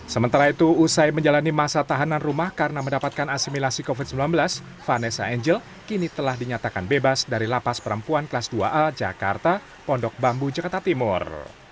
sementara itu usai menjalani masa tahanan rumah karena mendapatkan asimilasi covid sembilan belas vanessa angel kini telah dinyatakan bebas dari lapas perempuan kelas dua a jakarta pondok bambu jakarta timur